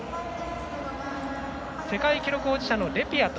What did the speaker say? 世界記録保持者、レピアト。